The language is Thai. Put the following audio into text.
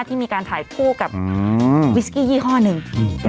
ที่มีการถ่ายคู่กับวิสกี้ยี่ห้อหนึ่ง